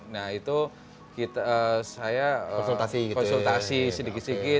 nah itu saya konsultasi sedikit sedikit